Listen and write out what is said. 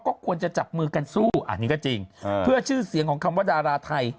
ก็ควรจะจับมือกันสู้อันนี้ก็จริงเพื่อชื่อเสียงของคำว่าดาราไทย